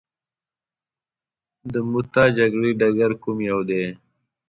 د موته جګړې ډګر کوم یو دی.